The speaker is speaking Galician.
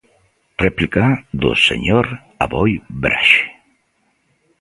Réplica do señor Aboi Braxe.